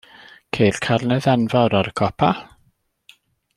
Ceir carnedd enfawr ar y copa.